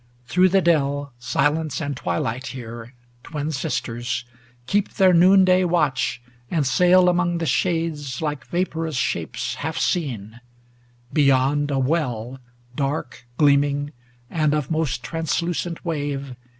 Through the dell Silence and Twilight here, twin sisters, keep Their noonday watch, and sail among the shades. Like vaporous shapes half seen; beyond, a well, Dark, gleaming, and of most translucent wave.